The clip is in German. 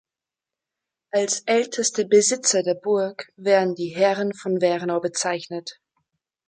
Als älteste Besitzer der Burg werden die Herren von Wernau bezeichnet.